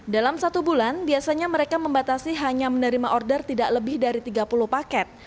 dalam satu bulan biasanya mereka membatasi hanya menerima order tidak lebih dari tiga puluh paket